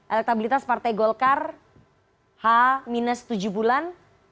elektabilitas partai golkar h tujuh bulan